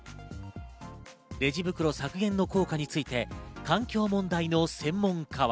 レジ袋削減の効果について環境問題の専門家は。